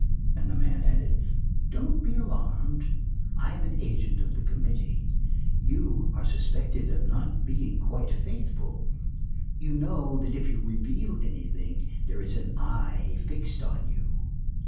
And the man added: "Don't be alarmed, I am an agent of the committee. You are suspected of not being quite faithful. You know that if you reveal anything, there is an eye fixed on you."